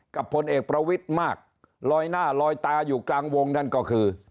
ผลเอกประวิทย์มากลอยหน้าลอยตาอยู่กลางวงนั่นก็คือ